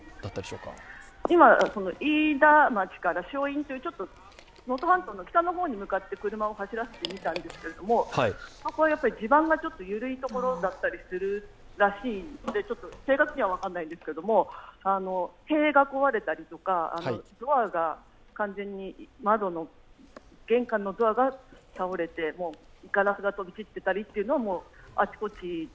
今、飯田町から正院という、能登半島の北の方に向かって車を走らせてみたんですけどここ地盤が緩いところだったりするらしいので正確には分からないんですけど塀が壊れたり玄関のドアが倒れてガラスが飛び散ってたりっていうのがあちこちで。